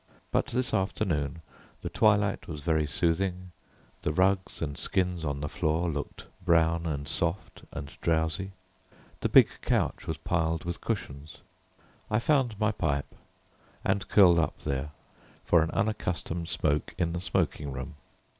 But this afternoon, the twilight was very soothing, the rugs and skins on the floor looked brown and soft and drowsy; the big couch was piled with cushions I found my pipe and curled up there for an unaccustomed smoke in the smoking room.